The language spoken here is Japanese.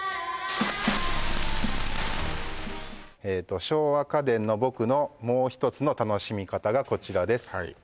えと昭和家電の僕のもう一つの楽しみ方がこちらです